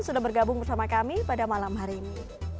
sudah bergabung bersama kami pada malam hari ini